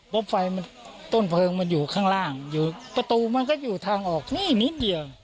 เพราะไฟมันต้นเพลิงมันอยู่ข้างล่างอยู่ประตูมันก็อยู่ทางออกนี่นิดเดียว